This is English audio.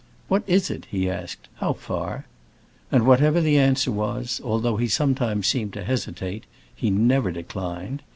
"What is it?" he asked. "How far?" And whatever the answer was, although he sometimes seemed to hesitate, he never declined.